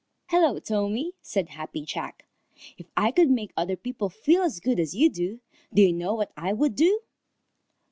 "Hello, Tommy," said Happy Jack. "If I could make other people feel as good as you do, do you know what I would do?"